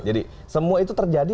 jadi semua itu terjadi